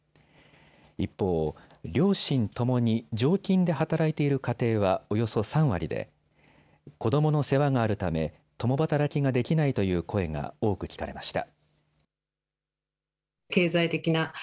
一方、両親ともに常勤で働いている家庭はおよそ３割で子どもの世話があるため共働きができないという声が多く聞かれました。